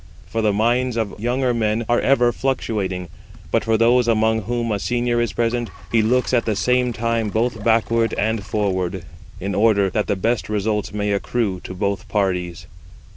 For the minds of younger men are ever fluctuating; but for those among whom a senior is present, he looks at the same time both backward and forward, in order that the best results may accrue to both parties."